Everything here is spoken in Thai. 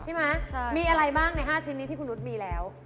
ใช่ไหมมีอะไรบ้างใน๕ชิ้นนี้ที่คุณนุษย์มีแล้ว